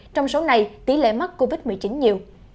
trong số này tỷ lệ mắc covid một mươi chín nhiều